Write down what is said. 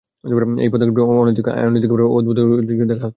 এই পদক্ষেপটি নৈতিক ও আইনগতভাবে অদ্ভুত ও উদ্বেগজনক হিসেবে দেখা হচ্ছে।